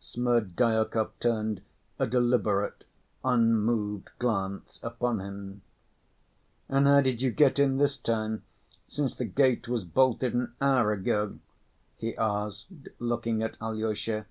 Smerdyakov turned a deliberate, unmoved glance upon him. "And how did you get in this time, since the gate was bolted an hour ago?" he asked, looking at Alyosha.